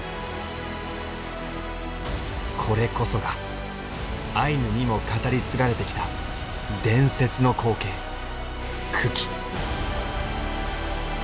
これこそがアイヌにも語り継がれてきた伝説の光景群来。